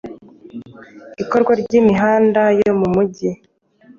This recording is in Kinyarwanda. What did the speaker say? Ikorwa ry’imihanda yo mu migi